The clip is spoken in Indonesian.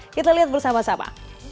kita lihat bersama sama